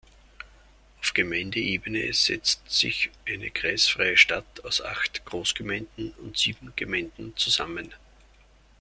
Auf Gemeindeebene setzt sich die kreisfreie Stadt aus acht Großgemeinden und sieben Gemeinden zusammen.